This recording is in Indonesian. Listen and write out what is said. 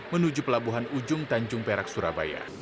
menuju pelabuhan ujung tanjung perak surabaya